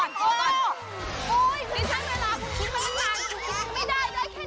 ไม่ได้ได้แค่นี้หรือ